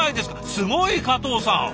すごい！加藤さん。